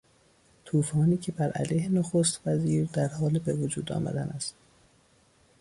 توفانی که برعلیه نخستوزیر در حال به وجود آمدن است.